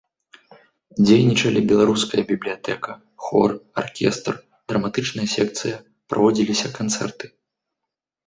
Дзейнічалі беларуская бібліятэка, хор, аркестр, драматычная секцыя, праводзіліся канцэрты.